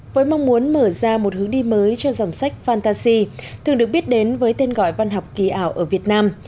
với mong muốn mở ra một hướng đi mới cho dòng sách fantasy thường được biết đến với tên gọi văn học kỳ ảo ở việt nam